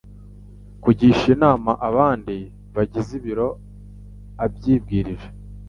kugisha inama abandi bagize biro abyibwirije